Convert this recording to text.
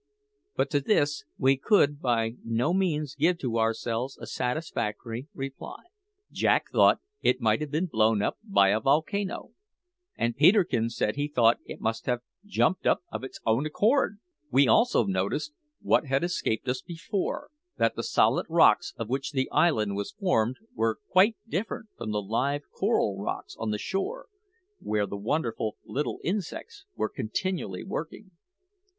But to this we could by no means give to ourselves a satisfactory reply. Jack thought it might have been blown up by a volcano; and Peterkin said he thought it must have jumped up of its own accord! We also noticed, what had escaped us before, that the solid rocks of which the island was formed were quite different from the live coral rocks on the shore, where, the wonderful little insects were continually working.